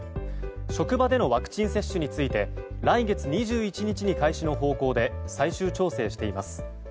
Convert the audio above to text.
職場でのワクチン接種について来月２１日に開始の方向で最終調整しています。